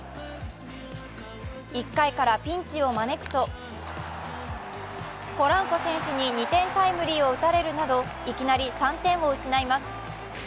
１回からピンチを招くとポランコ選手に２点タイムリーを打たれるなどいきなり３点を失います。